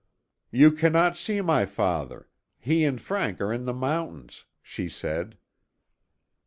"You cannot see my father. He and Frank are in the mountains," she said.